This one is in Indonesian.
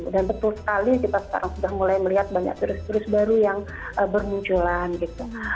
dan betul sekali kita sekarang sudah mulai melihat banyak virus virus baru yang bermunculan gitu